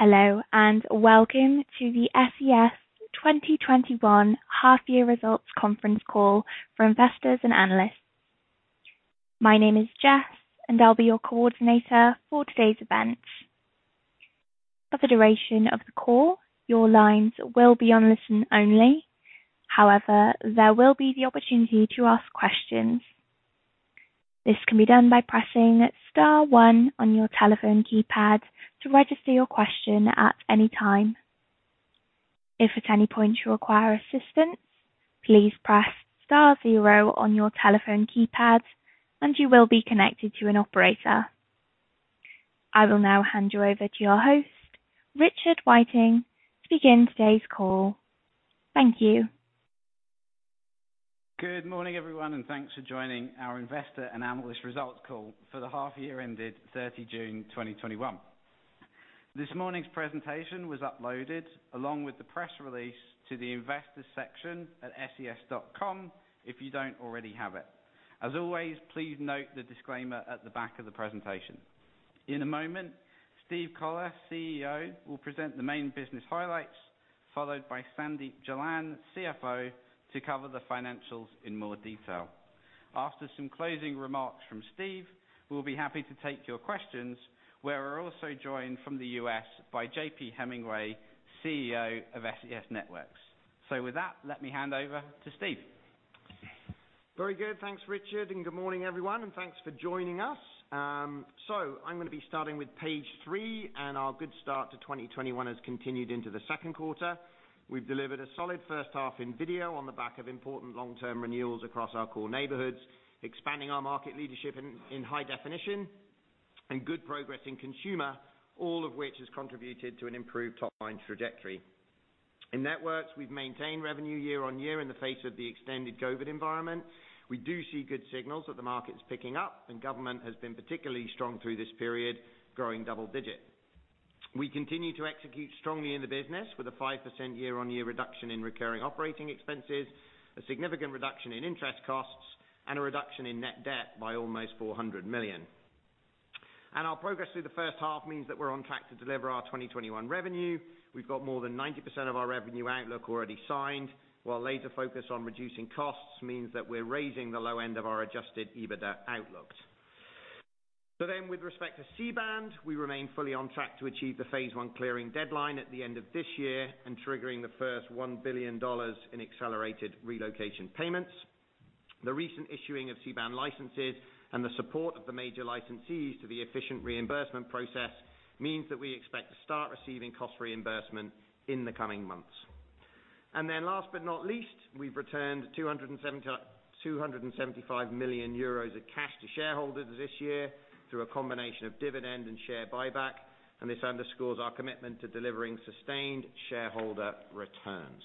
Hello, welcome to the SES 2021 half-year results conference call for investors and analysts. My name is Jess and I'll be your coordinator for today's event. For the duration of the call, your lines will be on listen only. However, there will be the opportunity to ask questions. This can be done by pressing star one on your telephone keypad to register your question at any time. If at any point you require assistance, please press star zero on your telephone keypad and you will be connected to an operator. I will now hand you over to your host, Richard Whiteing, to begin today's call. Thank you. Good morning, everyone, and thanks for joining our investor and analyst results call for the half-year ended 30 June 2021. This morning's presentation was uploaded along with the press release to the investors section at ses.com if you don't already have it. As always, please note the disclaimer at the back of the presentation. In a moment, Steve Collar, CEO, will present the main business highlights, followed by Sandeep Jalan, CFO, to cover the financials in more detail. After some closing remarks from Steve, we'll be happy to take your questions, where we're also joined from the U.S. by J.P. Hemingway, CEO of SES Networks. With that, let me hand over to Steve. Very good. Thanks, Richard, and good morning, everyone, and thanks for joining us. I'm going to be starting with page three, and our good start to 2021 has continued into the second quarter. We've delivered a solid first half in video on the back of important long-term renewals across our core neighborhoods, expanding our market leadership in high definition and good progress in consumer, all of which has contributed to an improved top-line trajectory. In networks, we've maintained revenue year-on-year in the face of the extended COVID environment. We do see good signals that the market is picking up, and government has been particularly strong through this period, growing double-digit. We continue to execute strongly in the business with a 5% year-on-year reduction in recurring operating expenses, a significant reduction in interest costs, and a reduction in net debt by almost $400 million. Our progress through the first half means that we're on track to deliver our 2021 revenue. We've got more than 90% of our revenue outlook already signed, while later focus on reducing costs means that we're raising the low end of our adjusted EBITDA outlook. With respect to C-band, we remain fully on track to achieve the phase I clearing deadline at the end of this year and triggering the first $1 billion in accelerated relocation payments. The recent issuing of C-band licenses and the support of the major licensees to the efficient reimbursement process means that we expect to start receiving cost reimbursement in the coming months. Last but not least, we've returned 275 million euros of cash to shareholders this year through a combination of dividend and share buyback, and this underscores our commitment to delivering sustained shareholder returns.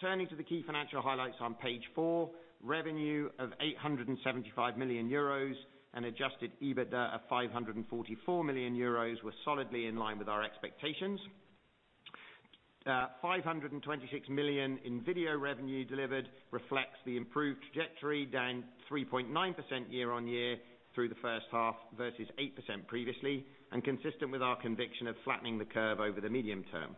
Turning to the key financial highlights on page four, revenue of €875 million and adjusted EBITDA of €544 million were solidly in line with our expectations. 526 million in video revenue delivered reflects the improved trajectory, down 3.9% year-on-year through the 1st half versus 8% previously, and consistent with our conviction of flattening the curve over the medium-term.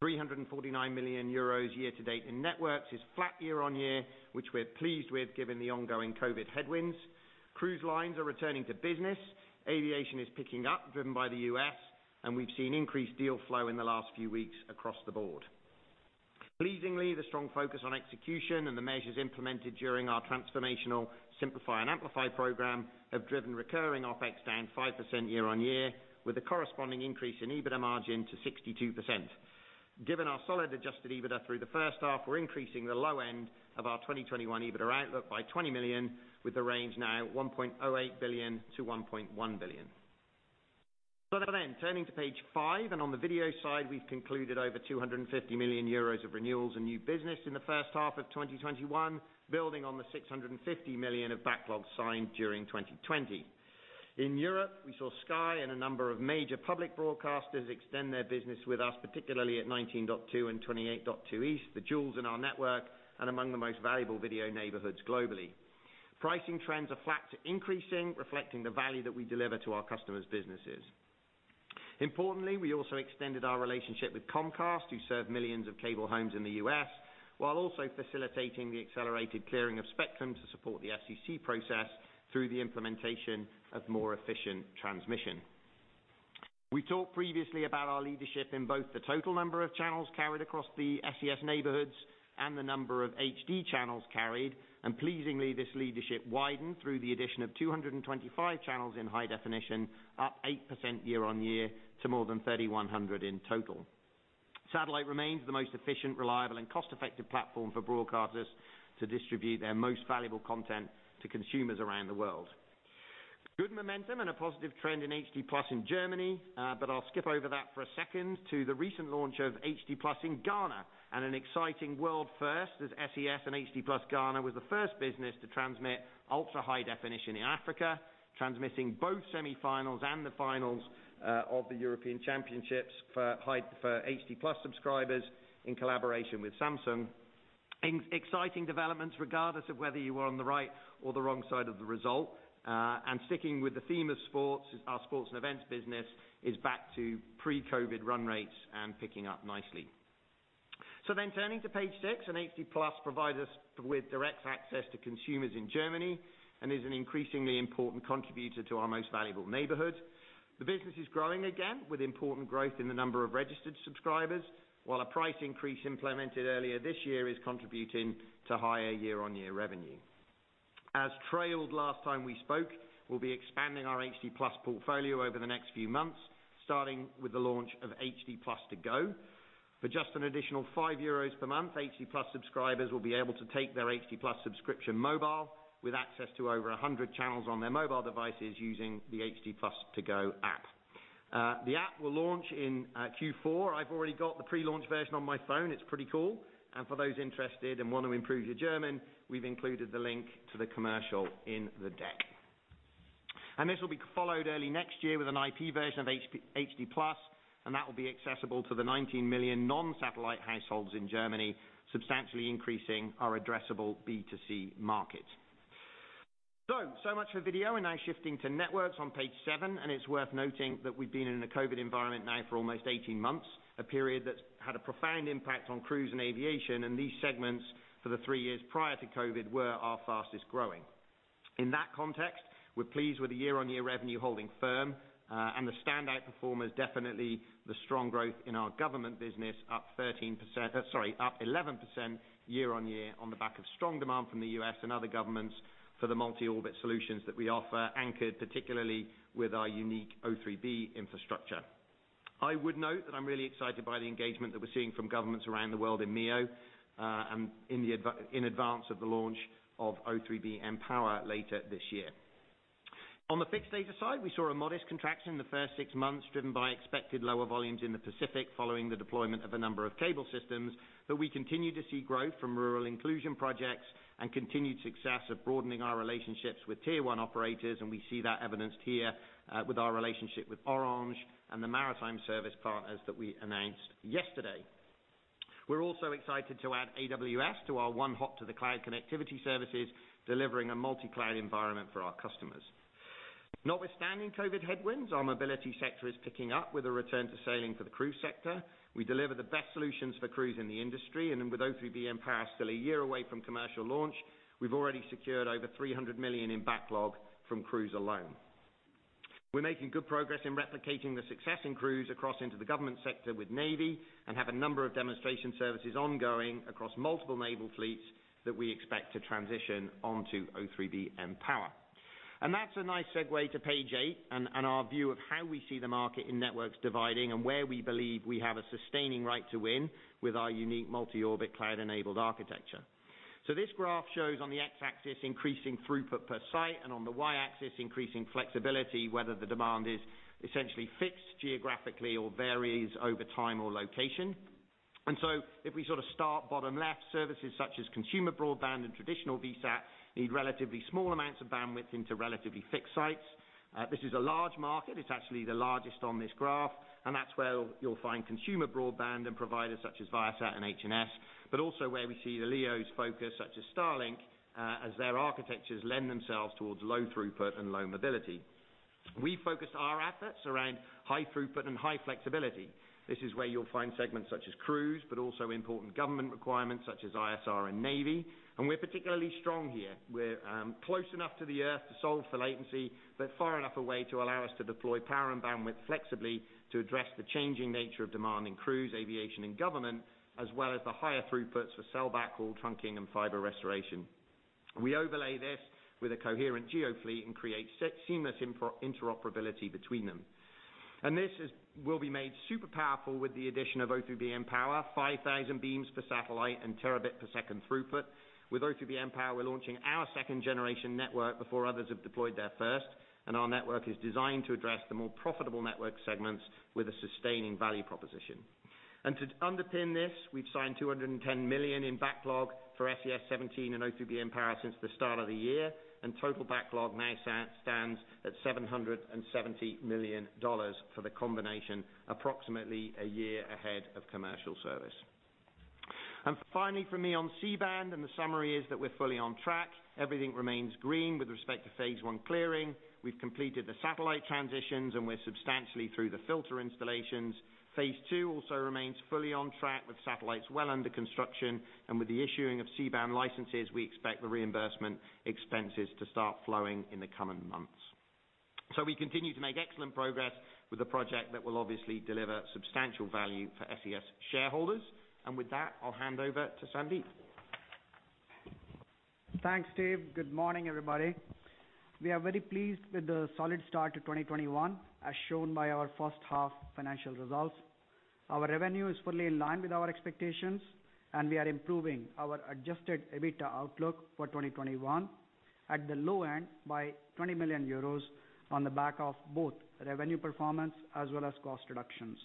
€349 million year to date in networks is flat year-on-year, which we're pleased with given the ongoing COVID headwinds. Cruise lines are returning to business, aviation is picking up, driven by the U.S., and we've seen increased deal flow in the last few weeks across the board. Pleasingly, the strong focus on execution and the measures implemented during our transformational Simplify & Amplify program have driven recurring CapEx down 5% year-on-year, with a corresponding increase in EBITDA margin to 62%. Given our solid adjusted EBITDA through the first half, we're increasing the low end of our 2021 EBITDA outlook by 20 million, with the range now 1.08 billion to 1.1 billion. Turning to page five, and on the video side, we've concluded over 250 million euros of renewals and new business in the first half of 2021, building on the 650 million of backlog signed during 2020. In Europe, we saw Sky and a number of major public broadcasters extend their business with us, particularly at 19.2 and 28.2 East, the jewels in our network and among the most valuable video neighborhoods globally. Pricing trends are flat to increasing, reflecting the value that we deliver to our customers' businesses. Importantly, we also extended our relationship with Comcast, who serve millions of cable homes in the U.S., while also facilitating the accelerated clearing of spectrum to support the FCC process through the implementation of more efficient transmission. We talked previously about our leadership in both the total number of channels carried across the SES neighborhoods and the number of HD channels carried, and pleasingly, this leadership widened through the addition of 225 channels in high definition, up 8% year-on-year to more than 3,100 in total. Satellite remains the most efficient, reliable, and cost-effective platform for broadcasters to distribute their most valuable content to consumers around the world. Good momentum and a positive trend in HD+ in Germany. I'll skip over that for a second to the recent launch of HD+ in Ghana, an exciting world first as SES and HD+ Ghana was the first business to transmit ultra-high definition in Africa, transmitting both semi-finals and the finals of the European Championships for HD+ subscribers in collaboration with Samsung. Exciting developments regardless of whether you are on the right or the wrong side of the result. Sticking with the theme of sports, our sports and events business is back to pre-COVID run rates and picking up nicely. Turning to page six, HD+ provides us with direct access to consumers in Germany and is an increasingly important contributor to our most valuable neighborhoods. The business is growing again with important growth in the number of registered subscribers, while a price increase implemented earlier this year is contributing to higher year-on-year revenue. As trailed last time we spoke, we'll be expanding our HD+ portfolio over the next few months, starting with the launch of HD+ ToGo. For just an additional 5 euros per month, HD+ subscribers will be able to take their HD+ subscription mobile with access to over 100 channels on their mobile devices using the HD+ ToGo app. The app will launch in Q4. I've already got the pre-launch version on my phone. It's pretty cool. For those interested and want to improve your German, we've included the link to the commercial in the deck. This will be followed early next year with an IP version of HD+, and that will be accessible to the 19 million non-satellite households in Germany, substantially increasing our addressable B2C market. So much for video. We're now shifting to networks on page seven, and it's worth noting that we've been in a COVID environment now for almost 18 months. A period that's had a profound impact on cruise and aviation, and these segments for the three years prior to COVID were our fastest-growing. In that context, we're pleased with the year-on-year revenue holding firm. The standout performers, definitely the strong growth in our government business up 13%-- sorry, up 11% year-on-year on the back of strong demand from the U.S. and other governments for the multi-orbit solutions that we offer, anchored particularly with our unique O3b infrastructure. I would note that I'm really excited by the engagement that we're seeing from governments around the world in MEO, in advance of the launch of O3b mPOWER later this year. On the fixed data side, we saw a modest contraction in the first six months, driven by expected lower volumes in the Pacific following the deployment of a number of cable systems. We continue to see growth from rural inclusion projects and continued success of broadening our relationships with Tier 1 operators, and we see that evidenced here, with our relationship with Orange and the maritime service partners that we announced yesterday. We're also excited to add AWS to our one-hop-to-the-cloud connectivity services, delivering a multi-cloud environment for our customers. Notwithstanding COVID headwinds, our mobility sector is picking up with a return to sailing for the cruise sector. We deliver the best solutions for cruise in the industry, and with O3b mPOWER still a year away from commercial launch, we've already secured over 300 million in backlog from cruise alone. We're making good progress in replicating the success in cruise across into the government sector with Navy and have a number of demonstration services ongoing across multiple naval fleets that we expect to transition onto O3b mPOWER. That's a nice segue to page eight and our view of how we see the market in networks dividing and where we believe we have a sustaining right to win with our unique multi-orbit cloud-enabled architecture. This graph shows on the x-axis increasing throughput per site and on the y-axis increasing flexibility, whether the demand is essentially fixed geographically or varies over time or location. If we start bottom left, services such as consumer broadband and traditional VSAT need relatively small amounts of bandwidth into relatively fixed sites. This is a large market. It's actually the largest on this graph, and that's where you'll find consumer broadband and providers such as Viasat and HNS, but also where we see the LEOs focus, such as Starlink, as their architectures lend themselves towards low throughput and low mobility. We focus our efforts around high throughput and high flexibility. This is where you'll find segments such as cruise, but also important government requirements such as ISR and Navy. We're particularly strong here. We're close enough to the Earth to solve for latency, but far enough away to allow us to deploy power and bandwidth flexibly to address the changing nature of demand in cruise, aviation, and government, as well as the higher throughputs for cell backhaul trunking and fiber restoration. We overlay this with a coherent geo fleet and create seamless interoperability between them. This will be made super powerful with the addition of O3b mPOWER 5,000 beams per satellite and terabit per second throughput. With O3b mPOWER, we're launching our second generation network before others have deployed their first, our network is designed to address the more profitable network segments with a sustaining value proposition. To underpin this, we've signed $210 million in backlog for SES-17 and O3b mPOWER since the start of the year. Total backlog now stands at $770 million for the combination approximately a year ahead of commercial service. Finally from me on C-band, the summary is that we're fully on track. Everything remains green with respect to phase I clearing. We've completed the satellite transitions, and we're substantially through the filter installations. Phase II also remains fully on track with satellites well under construction. With the issuing of C-band licenses, we expect the reimbursement expenses to start flowing in the coming months. We continue to make excellent progress with the project that will obviously deliver substantial value for SES shareholders. With that, I'll hand over to Sandeep. Thanks, Steve. Good morning, everybody. We are very pleased with the solid start to 2021, as shown by our first half financial results. Our revenue is fully in line with our expectations, and we are improving our adjusted EBITDA outlook for 2021 at the low end by 20 million euros on the back of both revenue performance as well as cost reductions.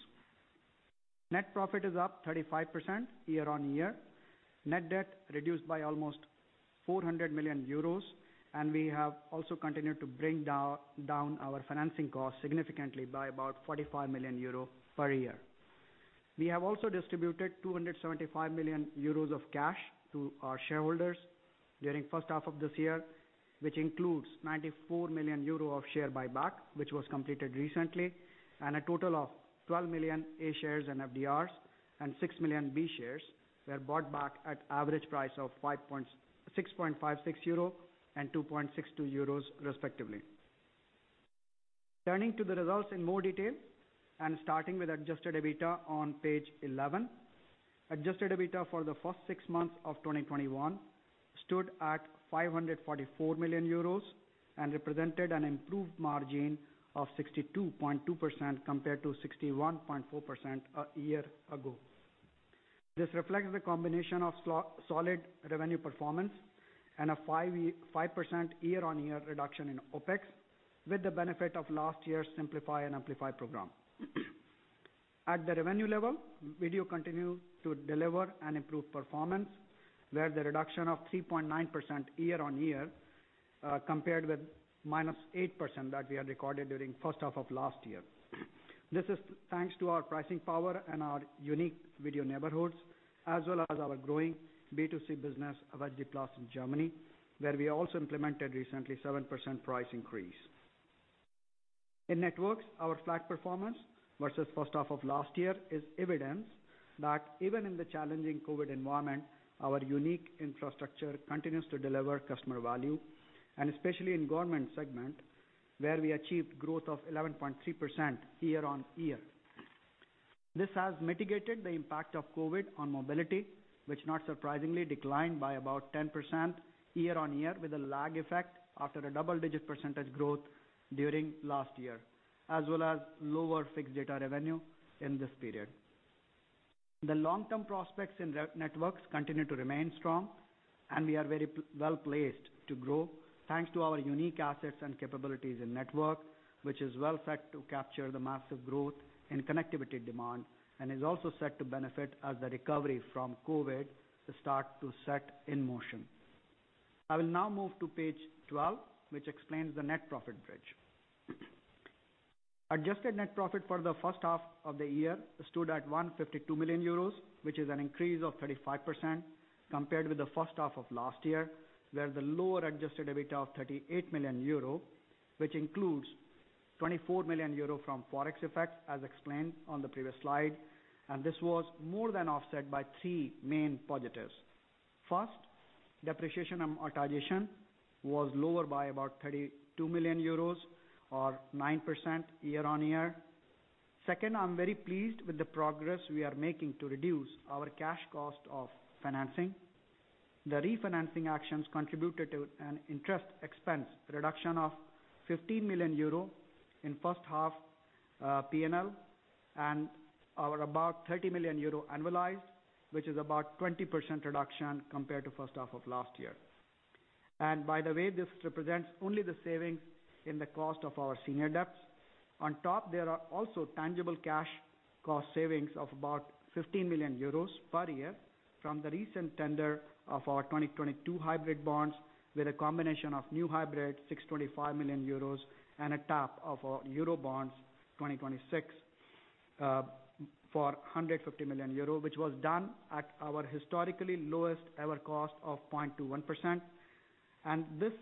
Net profit is up 35% year-on-year. Net debt reduced by almost 400 million euros, and we have also continued to bring down our financing costs significantly by about 45 million euro per year. We have also distributed 275 million euros of cash to our shareholders during first half of this year, which includes 94 million euro of share buyback, which was completed recently, and a total of 12 million A shares and FDRs, and 6 million B shares were bought back at average price of 6.56 euro and 2.62 euros respectively. Turning to the results in more detail, starting with adjusted EBITDA on page 11. Adjusted EBITDA for the first six months of 2021 stood at 544 million euros and represented an improved margin of 62.2% compared to 61.4% a year ago. This reflects the combination of solid revenue performance and a 5% year-on-year reduction in OpEx with the benefit of last year's Simplify & Amplify program. At the revenue level, video continued to deliver an improved performance, where the reduction of 3.9% year-on-year compared with -8% that we had recorded during first half of last year. This is thanks to our pricing power and our unique video neighborhoods, as well as our growing B2C business, HD+ in Germany, where we also implemented recently 7% price increase. In networks, our flat performance versus first half of last year is evidence that even in the challenging COVID environment, our unique infrastructure continues to deliver customer value, and especially in government segment, where we achieved growth of 11.3% year-on-year. This has mitigated the impact of COVID on mobility, which not surprisingly declined by about 10% year-on-year with a lag effect after a double-digit percentage growth during last year. As well as lower fixed data revenue in this period. The long-term prospects in networks continue to remain strong, and we are very well-placed to grow thanks to our unique assets and capabilities in network, which is well set to capture the massive growth in connectivity demand and is also set to benefit as the recovery from COVID start to set in motion. I will now move to page 12, which explains the net profit bridge. Adjusted net profit for the first half of the year stood at 152 million euros, which is an increase of 35% compared with the first half of last year, where the lower adjusted EBITDA of 38 million euro, which includes 24 million euro from Forex effects as explained on the previous slide, and this was more than offset by three main positives. First, depreciation and amortization was lower by about 32 million euros or 9% year-on-year. Second, I'm very pleased with the progress we are making to reduce our cash cost of financing. The refinancing actions contributed to an interest expense reduction of 15 million euro in first half P&L and our about 30 million euro annualized, which is about 20% reduction compared to first half of last year. By the way, this represents only the savings in the cost of our senior debts. On top, there are also tangible cash cost savings of about 15 million euros per year from the recent tender of our 2022 hybrid bonds, with a combination of new hybrid 625 million euros and a tap of our Eurobonds 2026 for 150 million euro. Which was done at our historically lowest ever cost of 0.21%. This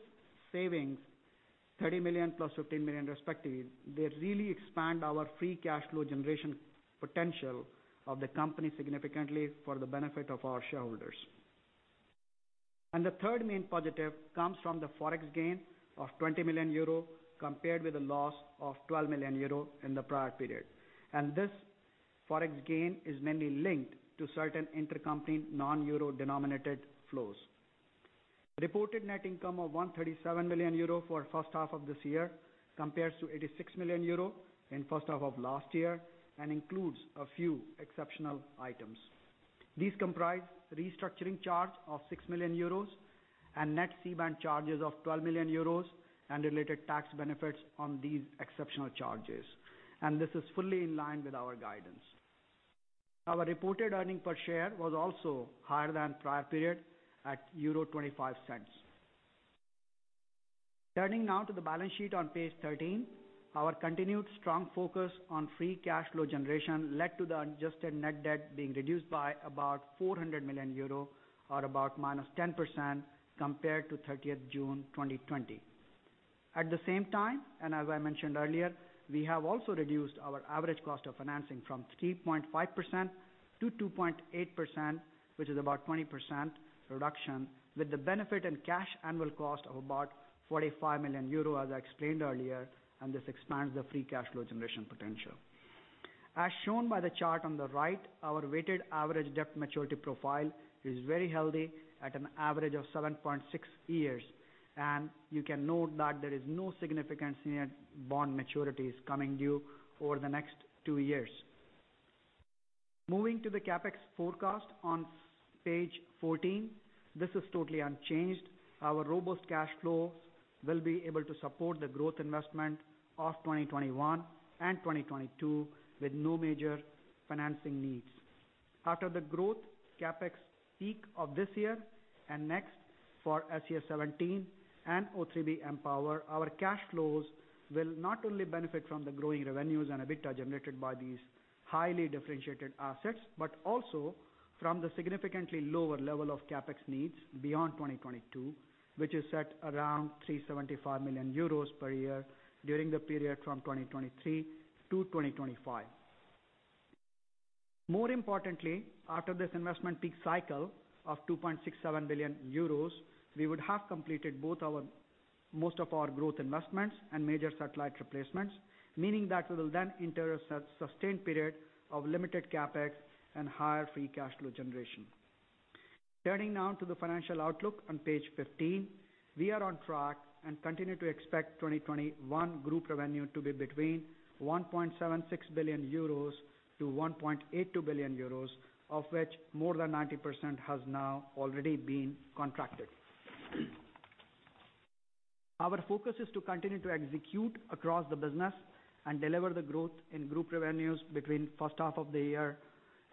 savings, 30 million plus 15 million respective, they really expand our free cash flow generation potential of the company significantly for the benefit of our shareholders. The third main positive comes from the Forex gain of 20 million euro compared with a loss of 12 million euro in the prior period. This Forex gain is mainly linked to certain intercompany non-euro denominated flows. Reported net income of 137 million euro for first half of this year compares to 86 million euro in first half of last year and includes a few exceptional items. These comprise restructuring charge of 6 million euros and net C-band charges of 12 million euros and related tax benefits on these exceptional charges. This is fully in line with our guidance. Our reported earning per share was also higher than prior period at 0.25. Turning now to the balance sheet on page 13. Our continued strong focus on free cash flow generation led to the adjusted net debt being reduced by about 400 million euro or about -10% compared to 30th June, 2020. At the same time, as I mentioned earlier, we have also reduced our average cost of financing from 3.5% to 2.8%, which is about 20% reduction with the benefit and cash annual cost of about 45 million euro, as I explained earlier. This expands the free cash flow generation potential. As shown by the chart on the right, our weighted average debt maturity profile is very healthy at an average of 7.6 years. You can note that there is no significant senior bond maturities coming due over the next two years. Moving to the CapEx forecast on page 14. This is totally unchanged. Our robust cash flows will be able to support the growth investment of 2021 and 2022 with no major financing needs. After the growth CapEx peak of this year and next for SES-17 and O3b mPOWER, our cash flows will not only benefit from the growing revenues and EBITDA generated by these highly differentiated assets, but also from the significantly lower level of CapEx needs beyond 2022, which is set around 375 million euros per year during the period from 2023 to 2025. More importantly, after this investment peak cycle of 2.67 billion euros, we would have completed most of our growth investments and major satellite replacements, meaning that we will then enter a sustained period of limited CapEx and higher free cash flow generation. Turning now to the financial outlook on page 15. We are on track and continue to expect 2021 group revenue to be between 1.76 billion-1.82 billion euros, of which more than 90% has now already been contracted. Our focus is to continue to execute across the business and deliver the growth in group revenues between first half of the year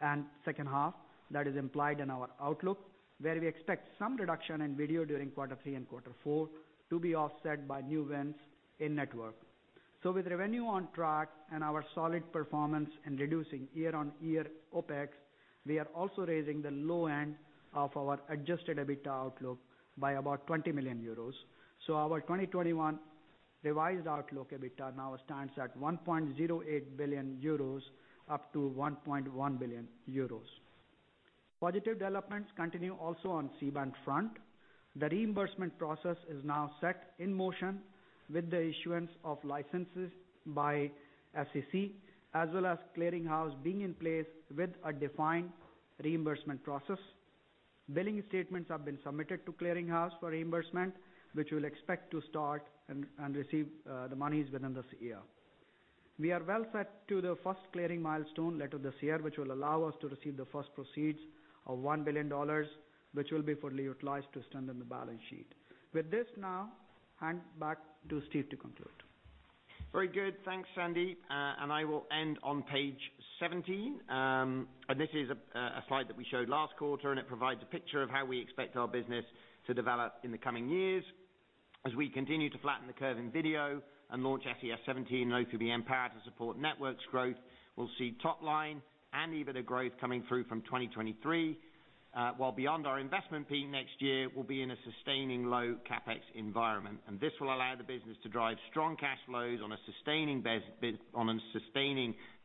and second half. That is implied in our outlook, where we expect some reduction in video during quarter three and quarter four to be offset by new wins in network. With revenue on track and our solid performance in reducing year-on-year OpEx, we are also raising the low end of our adjusted EBITDA outlook by about 20 million euros. Our 2021 revised outlook EBITDA now stands at 1.08 billion euros up to 1.1 billion euros. Positive developments continue also on C-band front. The reimbursement process is now set in motion with the issuance of licenses by FCC, as well as clearing house being in place with a defined reimbursement process. Billing statements have been submitted to clearing house for reimbursement, which we'll expect to start and receive the monies within this year. We are well set to the first clearing milestone later this year, which will allow us to receive the first proceeds of $1 billion, which will be fully utilized to strengthen the balance sheet. With this now, hand back to Steve to conclude. Very good. Thanks, Sandeep. I will end on page 17. This is a slide that we showed last quarter, and it provides a picture of how we expect our business to develop in the coming years as we continue to flatten the curve in video and launch SES-17 and O3b mPOWER to support networks growth. We'll see top line and EBITDA growth coming through from 2023, while beyond our investment peak next year, we'll be in a sustaining low CapEx environment. This will allow the business to drive strong cash flows on a sustaining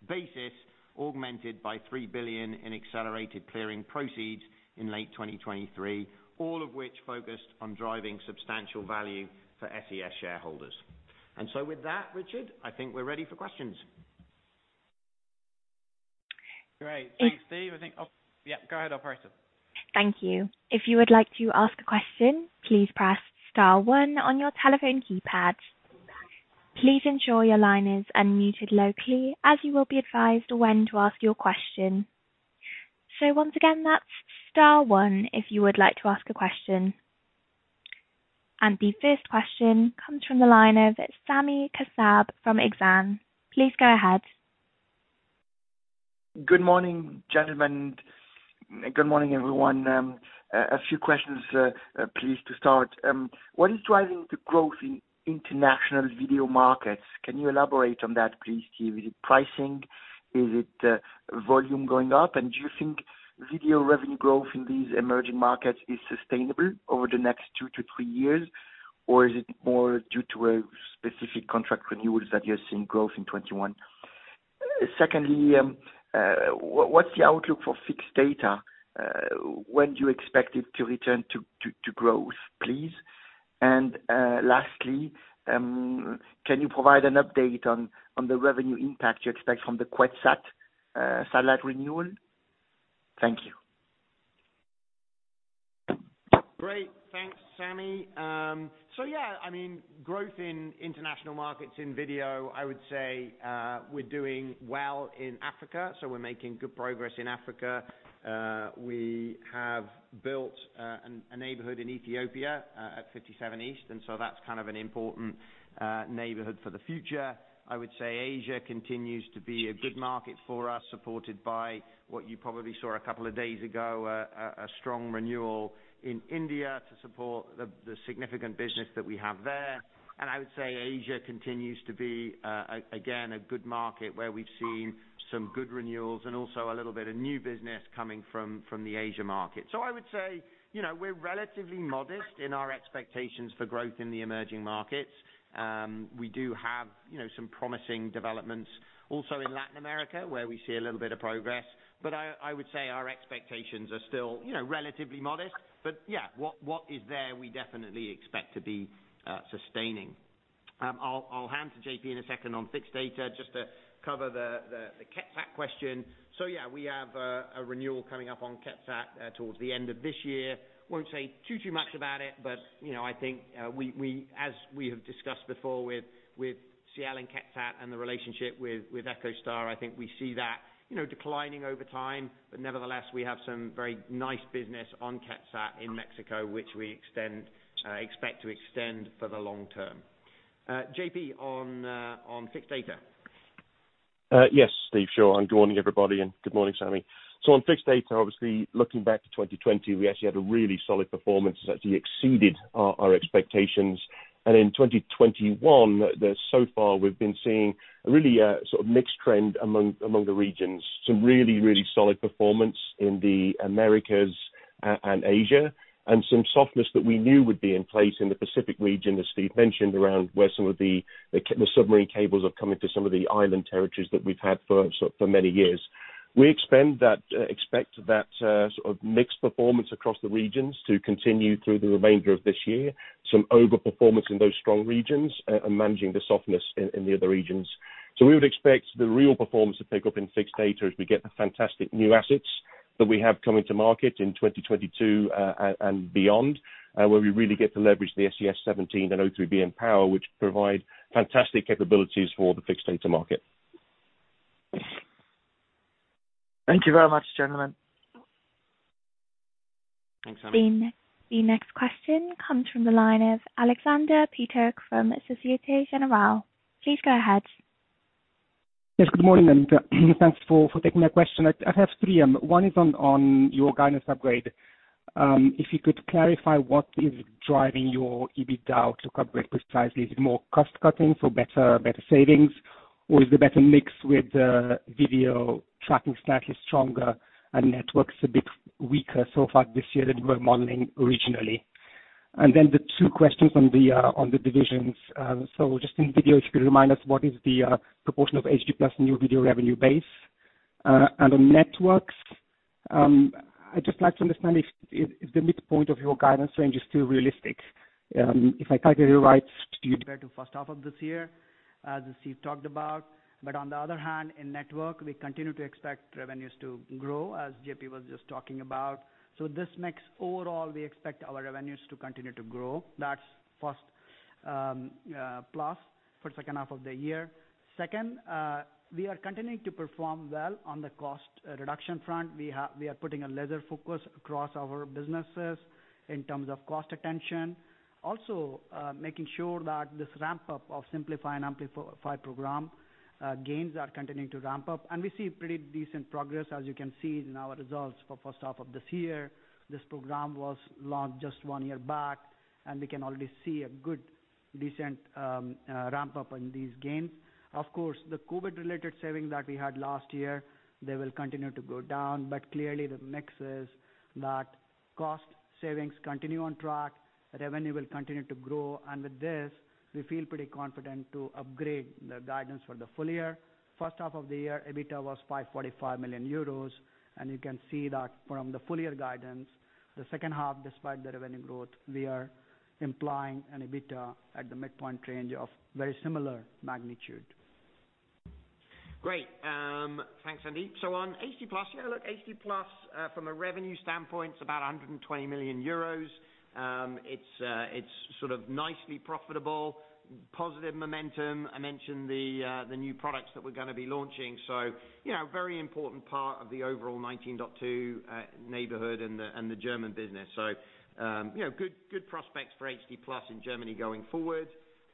basis, augmented by $3 billion in accelerated clearing proceeds in late 2023, all of which focused on driving substantial value for SES shareholders. With that, Richard, I think we're ready for questions. Great. Thanks, Steve. Yeah, go ahead, operator. Thank you. If you would like to ask a question, please press star onr on your telephone keypad. Please ensure your line is unmuted locally, as you will be advised when to ask your question. Once again, that's star one if you would like to ask a question. The 1st question comes from the line of Sami Kassab from Exane. Please go ahead. Good morning, gentlemen. Good morning, everyone. A few questions, please to start. What is driving the growth in international video markets? Can you elaborate on that please, Steve? Is it pricing? Is it volume going up? Do you think video revenue growth in these emerging markets is sustainable over the next two to three years? Or is it more due to a specific contract renewal that you're seeing growth in 2021? Secondly, what's the outlook for fixed data? When do you expect it to return to growth, please? Lastly, can you provide an update on the revenue impact you expect from the QuetzSat satellite renewal? Thank you. Great. Thanks, Sami. Yeah, growth in international markets in video, I would say, we're doing well in Africa, we're making good progress in Africa. We have built a neighborhood in Ethiopia at 57 East, that's kind of an important neighborhood for the future. I would say Asia continues to be a good market for us, supported by what you probably saw a couple of days ago, a strong renewal in India to support the significant business that we have there. I would say Asia continues to be, again, a good market where we've seen some good renewals and also a little bit of new business coming from the Asia market. I would say, we're relatively modest in our expectations for growth in the emerging markets. We do have some promising developments also in Latin America, where we see a little bit of progress. I would say our expectations are still relatively modest. Yeah, what is there, we definitely expect to be sustaining. I'll hand to J.P. in a second on fixed data just to cover the QuetzSat question. Yeah, we have a renewal coming up on QuetzSat towards the end of this year. Won't say too much about it, but I think as we have discussed before with Ciel and QuetzSat and the relationship with EchoStar, I think we see that declining over time. Nevertheless, we have some very nice business on QuetzSat in Mexico, which we expect to extend for the long term. J.P., on fixed data. Yes, Steve. Sure. Good morning, everybody, and good morning, Sami. On fixed data, obviously looking back to 2020, we actually had a really solid performance that actually exceeded our expectations. In 2021, so far we've been seeing a really sort of mixed trend among the regions. Some really, really solid performance in the Americas and Asia, and some softness that we knew would be in place in the Pacific region, as Steve mentioned, around where some of the submarine cables are coming to some of the island territories that we've had for many years. We expect that sort of mixed performance across the regions to continue through the remainder of this year. Some over-performance in those strong regions and managing the softness in the other regions. We would expect the real performance to pick up in fixed data as we get the fantastic new assets that we have coming to market in 2022 and beyond, where we really get to leverage the SES-17 and O3b mPOWER, which provide fantastic capabilities for the fixed data market. Thank you very much, gentlemen. Thanks. The next question comes from the line of Aleksander Peterc from Societe Generale. Please go ahead. Yes, good morning, everybody. Thanks for taking my question. I have three. One is on your guidance upgrade. If you could clarify what is driving your EBITDA to upgrade precisely. Is it more cost cutting, so better savings? Or is the better mix with the video tracking slightly stronger and networks a bit weaker so far this year than you were modeling originally? Then the two questions on the divisions. Just in video, if you could remind us what is the proportion of HD+ in your video revenue base. On networks, I'd just like to understand if the midpoint of your guidance range is still realistic. If I calculate it right, compared to first half of this year, as Steve talked about. On the other hand, in Networks, we continue to expect revenues to grow, as J.P. was just talking about. This mix overall, we expect our revenues to continue to grow. That's first plus for second half of the year. Second, we are continuing to perform well on the cost reduction front. We are putting a laser focus across our businesses in terms of cost attention. Also, making sure that this ramp-up of Simplify & Amplify program gains are continuing to ramp up. We see pretty decent progress, as you can see in our results for first half of this year. This program was launched just one year back, and we can already see a good, decent ramp-up in these gains. The COVID-related savings that we had last year, they will continue to go down. Clearly the mix is that cost savings continue on track, revenue will continue to grow, with this, we feel pretty confident to upgrade the guidance for the full-year. First half of the year, EBITDA was 545 million euros. You can see that from the full-year guidance. The second half, despite the revenue growth, we are implying an EBITDA at the midpoint range of very similar magnitude. Great. Thanks, Sandeep. On HD+, from a revenue standpoint, it's about 120 million euros. It's sort of nicely profitable, positive momentum. I mentioned the new products that we're gonna be launching. Very important part of the overall 19.2 neighborhood and the German business. Good prospects for HD+ in Germany going forward.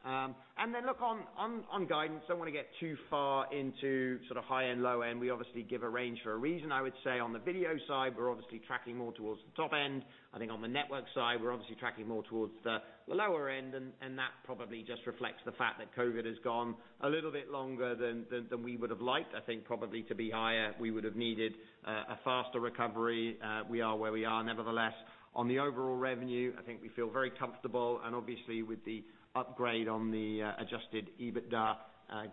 Look on guidance, don't want to get too far into sort of high end, low end. We obviously give a range for a reason. I would say on the video side, we're obviously tracking more towards the top end. I think on the network side, we're obviously tracking more towards the lower end, and that probably just reflects the fact that COVID has gone a little bit longer than we would've liked. I think probably to be higher, we would've needed a faster recovery. We are where we are. On the overall revenue, I think we feel very comfortable, and obviously with the upgrade on the adjusted EBITDA,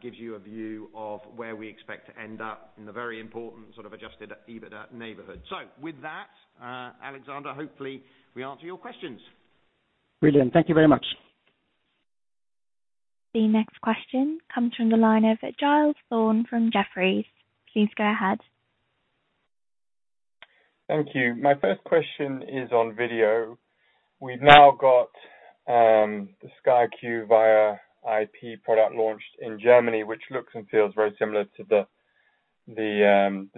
gives you a view of where we expect to end up in the very important adjusted EBITDA neighborhood. With that, Aleksander, hopefully we answer your questions. Brilliant. Thank you very much. The next question comes from the line of Giles Thorne from Jefferies. Please go ahead. Thank you. My first question is on video. We've now got the Sky Q via IP product launched in Germany, which looks and feels very similar to the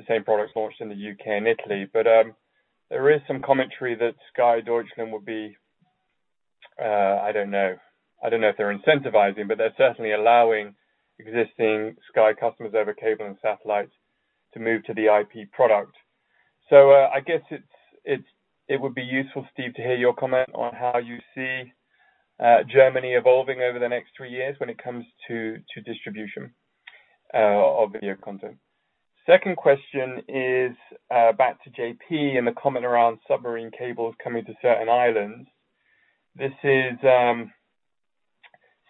same products launched in the U.K. and Italy. There is some commentary that Sky Deutschland will be, I don't know if they're incentivizing, but they're certainly allowing existing Sky customers over cable and satellite to move to the IP product. I guess it would be useful, Steve, to hear your comment on how you see Germany evolving over the next three years when it comes to distribution of video content. Second question is back to J.P. and the comment around submarine cables coming to certain islands. This is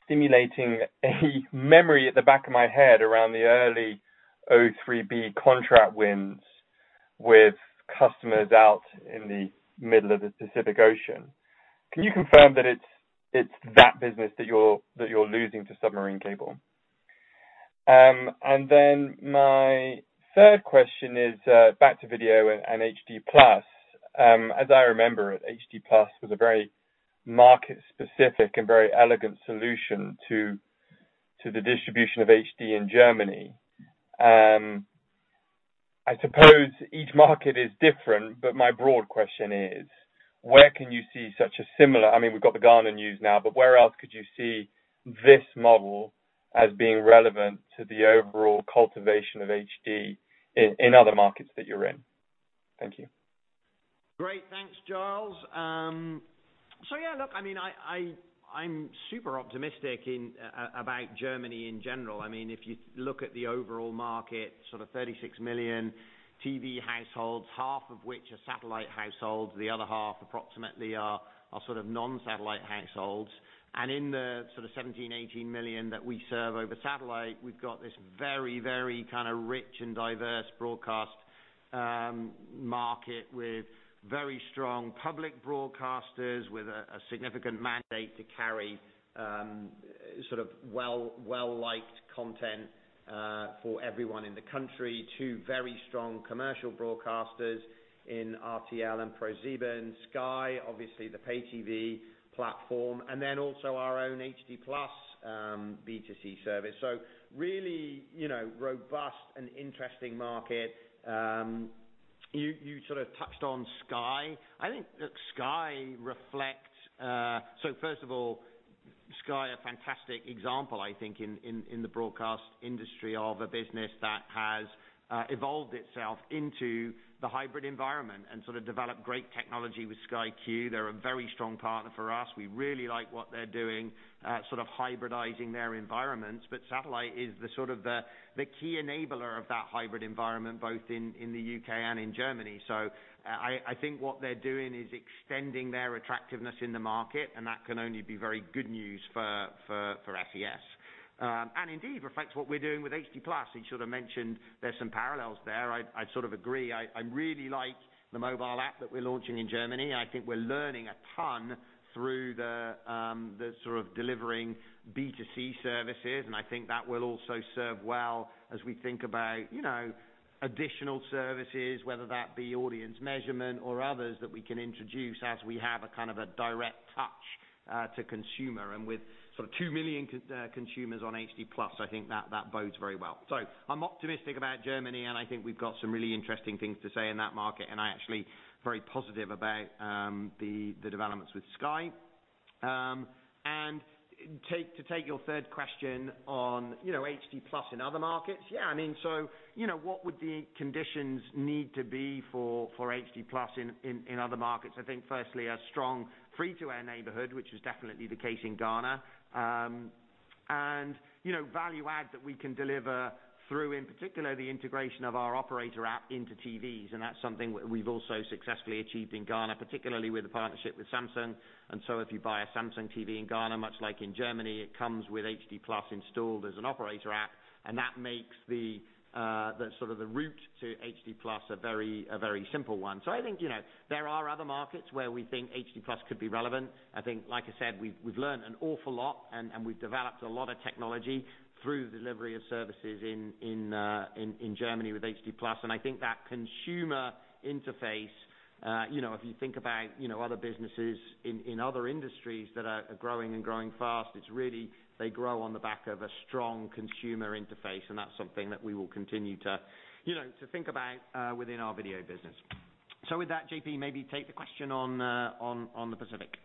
stimulating a memory at the back of my head around the early O3b contract wins with customers out in the middle of the Pacific Ocean. Can you confirm that it's that business that you're losing to submarine cable? My third question is back to video and HD+. As I remember it, HD+ was a very market-specific and very elegant solution to the distribution of HD in Germany. I suppose each market is different, but my broad question is, where can you see such a similar We've got the Ghana news now, but where else could you see this model as being relevant to the overall cultivation of HD in other markets that you're in? Thank you. Great. Thanks, Giles. Yeah, look, I'm super optimistic about Germany in general. If you look at the overall market, 36 million TV households, half of which are satellite households, the other half approximately are non-satellite households. In the 17, 18 million that we serve over satellite, we've got this very rich and diverse broadcast market with very strong public broadcasters, with a significant mandate to carry well-liked content for everyone in the country. Two very strong commercial broadcasters in RTL and ProSieben, Sky, obviously, the pay TV platform, and then also our own HD+ B2C service. Really robust and interesting market. You touched on Sky. I think, look, Sky reflects. First of all, Sky, a fantastic example, I think, in the broadcast industry of a business that has evolved itself into the hybrid environment and developed great technology with Sky Q. They're a very strong partner for us. We really like what they're doing, sort of hybridizing their environments. Satellite is the key enabler of that hybrid environment, both in the U.K. and in Germany. I think what they're doing is extending their attractiveness in the market, and that can only be very good news for SES. Indeed, reflects what we're doing with HD+. You mentioned there's some parallels there. I sort of agree. I really like the mobile app that we're launching in Germany, and I think we're learning a ton through the sort of delivering B2C services, and I think that will also serve well as we think about additional services, whether that be audience measurement or others that we can introduce as we have a direct touch to consumer. With 2 million consumers on HD+, I think that bodes very well. I'm optimistic about Germany, and I think we've got some really interesting things to say in that market, and I actually very positive about the developments with Sky. To take your third question on HD+ in other markets. What would the conditions need to be for HD+ in other markets? I think firstly, a strong free-to-air neighborhood, which is definitely the case in Ghana. Value add that we can deliver through, in particular, the integration of our operator app into TVs, and that's something we've also successfully achieved in Ghana, particularly with the partnership with Samsung. If you buy a Samsung TV in Ghana, much like in Germany, it comes with HD+ installed as an operator app, and that makes the root to HD+ a very simple one. I think there are other markets where we think HD+ could be relevant. I think, like I said, we've learned an awful lot, and we've developed a lot of technology through delivery of services in Germany with HD+, and I think that consumer interface, if you think about other businesses in other industries that are growing and growing fast, it's really they grow on the back of a strong consumer interface, and that's something that we will continue to think about within our video business. With that, J.P., maybe take the question on the Pacific.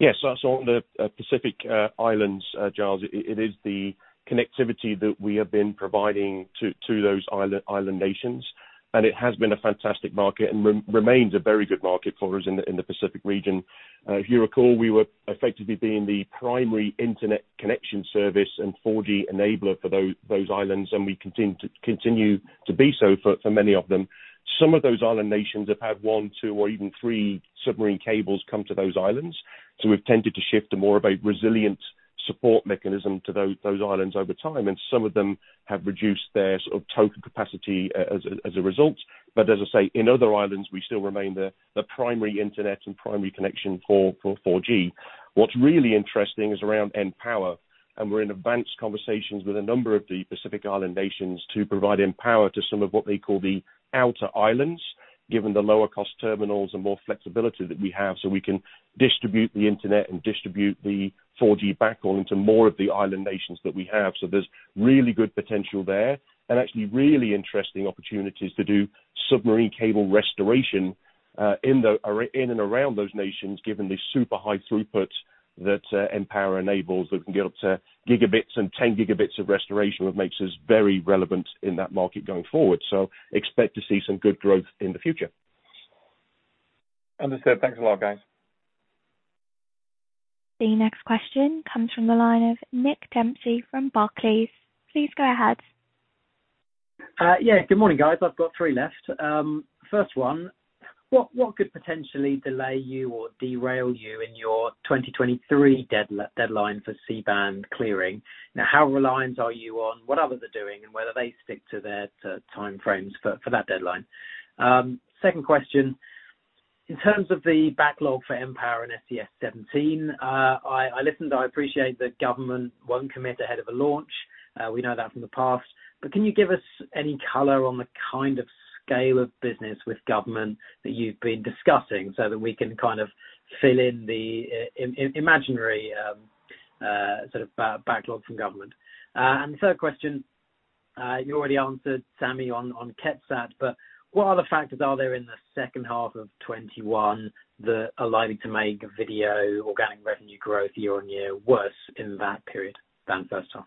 Yes, that's on the Pacific Islands, Giles. It is the connectivity that we have been providing to those island nations, and it has been a fantastic market and remains a very good market for us in the Pacific region. If you recall, we were effectively being the primary internet connection service and 4G enabler for those islands, and we continue to be so for many of them. Some of those island nations have had one, two, or even three submarine cables come to those islands. We've tended to shift to more of a resilient support mechanism to those islands over time, and some of them have reduced their token capacity as a result. As I say, in other islands, we still remain the primary internet and primary connection for 4G. What's really interesting is around mPOWER. We're in advanced conversations with a number of the Pacific Island nations to provide mPOWER to some of what they call the outer islands, given the lower cost terminals and more flexibility that we have, so we can distribute the internet and distribute the 4G backhaul into more of the island nations that we have. There's really good potential there, and actually really interesting opportunities to do submarine cable restoration in and around those nations, given the super high throughput that mPOWER enables, that we can get up to gigabits and 10 Gb of restoration, what makes us very relevant in that market going forward. Expect to see some good growth in the future. Understood. Thanks a lot, guys. The next question comes from the line of Nick Dempsey from Barclays. Please go ahead. Good morning, guys. I've got three left. First one, what could potentially delay you or derail you in your 2023 deadline for C-band clearing? How reliant are you on what others are doing and whether they stick to their time frames for that deadline? Second question, in terms of the backlog for mPOWER and SES-17, I listened, I appreciate that government won't commit ahead of a launch. We know that from the past. Can you give us any color on the kind of scale of business with government that you've been discussing so that we can fill in the imaginary sort of backlog from government. The third question, you already answered, Sami, on QuetzSat, but what other factors are there in the second half of 2021 that are likely to make video organic revenue growth year-on-year worse in that period than first half?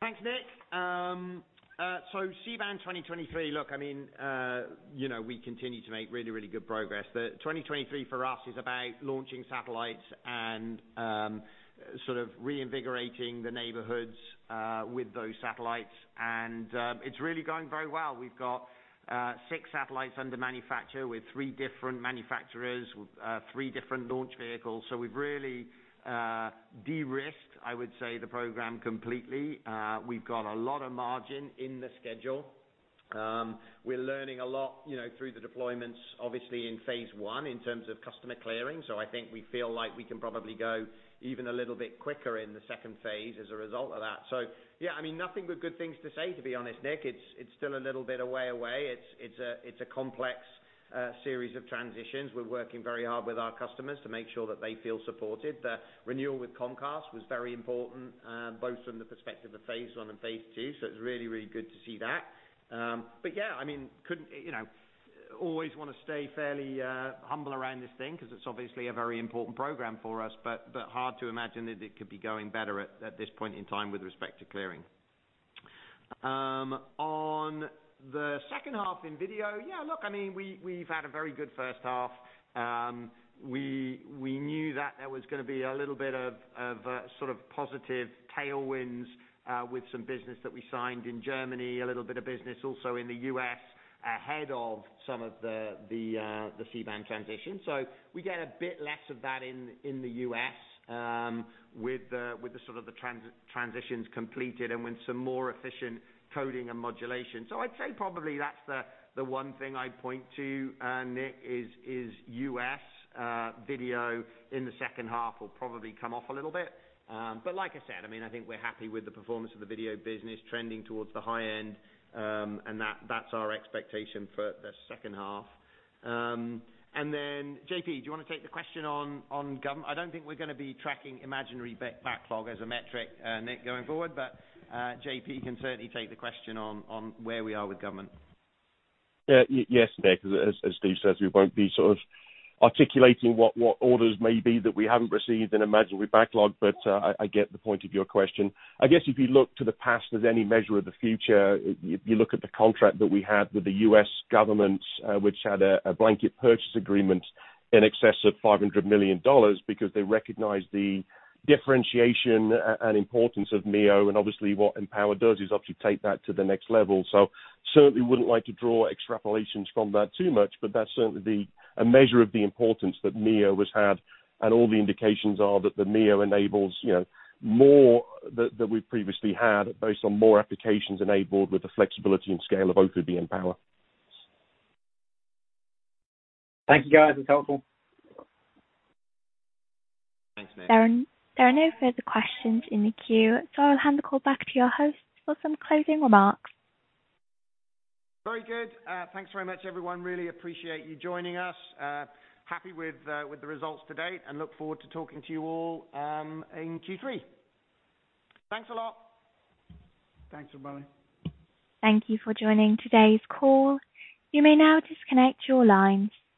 Thanks, Nick. C-band 2023, look, we continue to make really, really good progress. The 2023 for us is about launching satellites and sort of reinvigorating the neighborhoods with those satellites. It's really going very well. We've got six satellites under manufacture with three different manufacturers, three different launch vehicles. We've really, de-risked, I would say, the program completely. We've got a lot of margin in the schedule. We're learning a lot through the deployments, obviously, in phase I in terms of customer clearing. I think we feel like we can probably go even a little bit quicker in the second phase as a result of that. Yeah, nothing but good things to say, to be honest, Nick. It's still a little bit away. It's a complex series of transitions. We're working very hard with our customers to make sure that they feel supported. The renewal with Comcast was very important, both from the perspective of phase I and phase II, so it's really, really good to see that. Yeah, always wanna stay fairly humble around this thing because it's obviously a very important program for us, but hard to imagine that it could be going better at this point in time with respect to clearing. On the second half in video, yeah, look, we've had a very good first half. We knew that there was gonna be a little bit of sort of positive tailwinds, with some business that we signed in Germany, a little bit of business also in the U.S. ahead of some of the C-band transition. We get a bit less of that in the U.S. with the sort of the transitions completed and with some more efficient coding and modulation. I'd say probably that's the one thing I'd point to, Nick, is U.S. video in the second half will probably come off a little bit. Like I said, I think we're happy with the performance of the video business trending towards the high end, and that's our expectation for the second half. Then, J.P., do you want to take the question on government? I don't think we're gonna be tracking imaginary backlog as a metric, Nick, going forward, but J.P. can certainly take the question on where we are with government. Yes, Nick. As Steve says, we won't be sort of articulating what orders may be that we haven't received an imaginary backlog, but I get the point of your question. I guess if you look to the past as any measure of the future, you look at the contract that we had with the U.S. government, which had a blanket purchase agreement in excess of $500 million because they recognized the differentiation and importance of MEO, and obviously what mPOWER does is obviously take that to the next level. Certainly wouldn't like to draw extrapolations from that too much, but that's certainly a measure of the importance that MEO has had, and all the indications are that the MEO enables more that we previously had based on more applications enabled with the flexibility and scale of O3b mPOWER. Thank you, guys. That's helpful. Thanks, Nick. There are no further questions in the queue, so I'll hand the call back to your host for some closing remarks. Very good. Thanks very much, everyone. Really appreciate you joining us. Happy with the results to date and look forward to talking to you all, in Q3. Thanks a lot. Thanks, everybody. Thank you for joining today's call. You may now disconnect your lines.